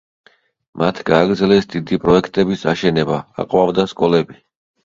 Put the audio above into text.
მათ გააგრძელეს დიდი პროექტების აშენება, აყვავდა სკოლები.